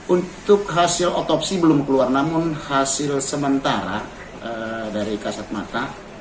untuk hasil otopsi belum keluar namun hasil sementara dari kasat mata